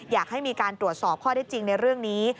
อยากให้มีการตรวจสอบข้อได้จริงในเรื่องนี้